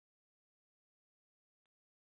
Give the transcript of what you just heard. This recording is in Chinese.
醉蝶花为醉蝶花科白花菜属的植物。